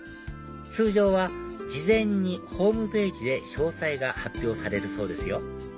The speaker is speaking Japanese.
通常は事前にホームページで詳細が発表されるそうですよ